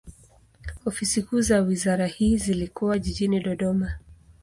Ofisi kuu za wizara hii zilikuwa jijini Dodoma.